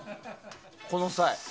この際。